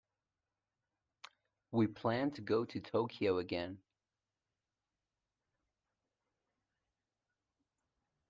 We plan to go to Tokyo again.